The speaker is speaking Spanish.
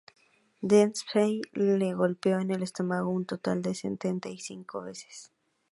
Dempsey le golpeó en el estómago un total de setenta y cinco veces.